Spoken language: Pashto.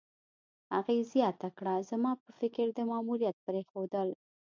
هغې زیاته کړه: "زما په فکر، د ماموریت پرېښودل